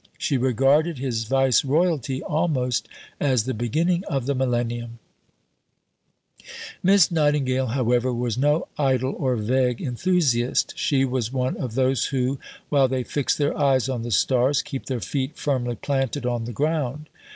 She regarded his Viceroyalty almost as the beginning of the millennium. See Bibliography A, No. 100. Miss Nightingale, however, was no idle or vague enthusiast. She was one of those who, while they fix their eyes on the stars, keep their feet firmly planted on the ground.